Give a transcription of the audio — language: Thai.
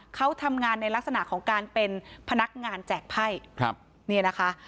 เขาทำงานในลักษณะของการเป็นพนักงานแจกไพ่ครับเนี่ยนะคะ